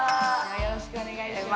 よろしくお願いします